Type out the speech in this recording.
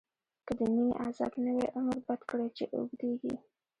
که د مینی عذاب نه وی، عمر بد کړی چی اوږدیږی